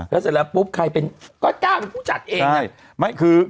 แล้วเสร็จแล้วปุ๊บใครเป็นก็กล้าเป็นผู้จัดเองเนี่ย